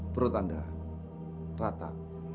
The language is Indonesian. perut anda rata